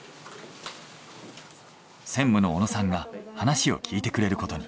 専務の小野さんが話を聞いてくれることに。